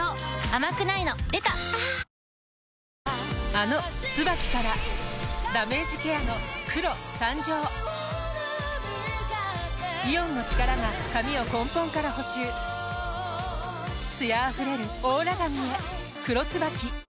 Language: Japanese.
あの「ＴＳＵＢＡＫＩ」からダメージケアの黒誕生イオンの力が髪を根本から補修艶あふれるオーラ髪へ「黒ＴＳＵＢＡＫＩ」